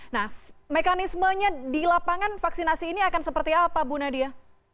nah mekanismenya di lapangan vaksinasi ini akan seperti apa bu nadia